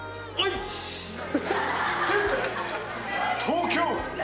東京！